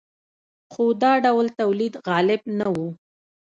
خو دا ډول تولید غالب نه و.